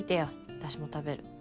私も食べる。